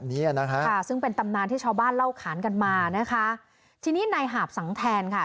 เนี้ยนะคะค่ะซึ่งเป็นตำนานที่ชาวบ้านเล่าขานกันมานะคะทีนี้ในหาบสังแทนค่ะ